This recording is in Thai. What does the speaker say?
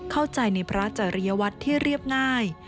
เข้าใจในพระจริยวัตรที่เรียบง่าย